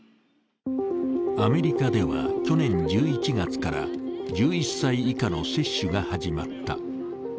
アメリカでは去年１１月から１１歳以下の接種が始まった。